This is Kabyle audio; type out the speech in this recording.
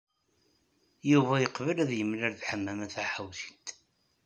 Yuba yeqbel ad yemlal d Ḥemmama Taḥawcint.